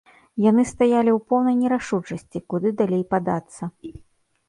Яны стаялі ў поўнай нерашучасці, куды далей падацца.